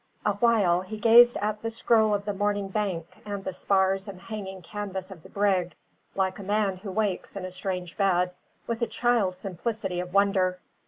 A while he gazed at the scroll of the morning bank and the spars and hanging canvas of the brig, like a man who wakes in a strange bed, with a child's simplicity of wonder.